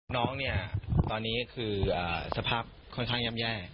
น้องเนี่ยตอนนี้คือสภาพค่อนข้างย่ำแย่